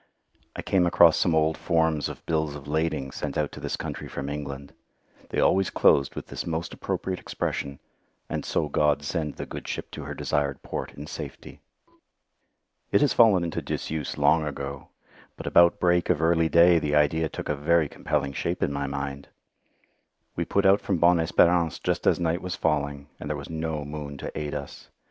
I came across some old forms of bills of lading sent out to this country from England. They always closed with this most appropriate expression, "And so God send the good ship to her desired port in safety." It has fallen into disuse long ago, but about break of early day the idea took a very compelling shape in my mind. We put out from Bonne Espérance just as night was falling, and there was no moon to aid us.